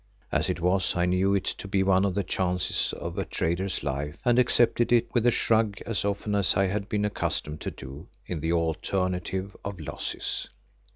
As it was I knew it to be one of the chances of a trader's life and accepted it with a shrug as often as I had been accustomed to do in the alternative of losses.